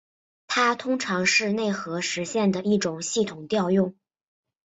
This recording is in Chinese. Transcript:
它通常是内核实现的一种系统调用。